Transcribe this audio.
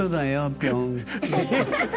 ぴょん。